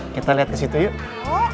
kita lihat kesitu yuk